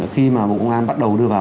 khi mà bộ công an bắt đầu đưa vào